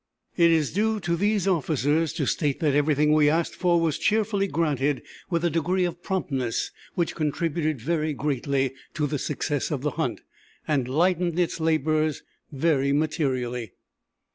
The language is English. It is due these officers to state that everything we asked for was cheerfully granted with a degree of promptness which contributed very greatly to the success of the hunt, and lightened its labors very materially.